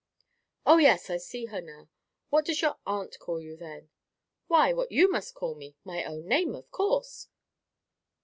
"Oh yes! I see her now.—What does your aunt call you, then?" "Why, what you must call me—my own name, of course."